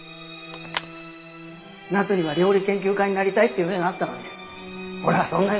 奈津には料理研究家になりたいって夢があったのに俺はそんな夢